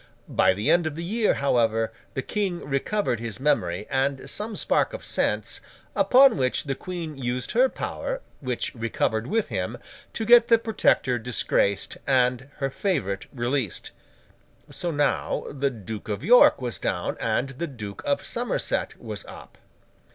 By the end of the year, however, the King recovered his memory and some spark of sense; upon which the Queen used her power—which recovered with him—to get the Protector disgraced, and her favourite released. So now the Duke of York was down, and the Duke of Somerset was up.